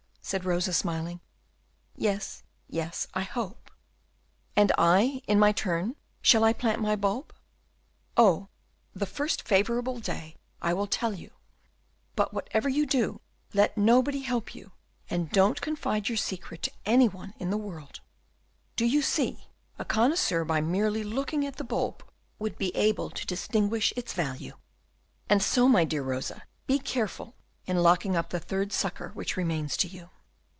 said Rosa, smiling. "Yes, yes, I hope." "And I, in my turn, when shall I plant my bulb?" "Oh, the first favourable day I will tell you; but, whatever you do, let nobody help you, and don't confide your secret to any one in the world; do you see, a connoisseur by merely looking at the bulb would be able to distinguish its value; and so, my dearest Rosa, be careful in locking up the third sucker which remains to you."